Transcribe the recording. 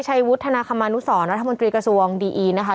วุฒนาคมานุสรรัฐมนตรีกระทรวงดีอีนะคะ